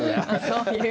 そういう。